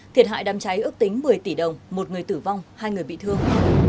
thiệt hại đám cháy ước tính một mươi tỷ đồng một người tử vong hai người bị thương